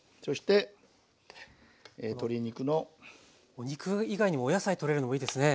お肉以外にもお野菜とれるのもいいですね。